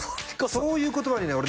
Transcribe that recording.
そういう言葉に俺。